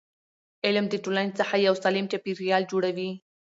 علم د ټولنې څخه یو سالم چاپېریال جوړوي.